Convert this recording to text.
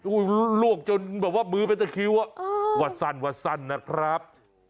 โอ้ยลวกจนแบบว่ามือเป็นตะคิววัดสั้นนะครับ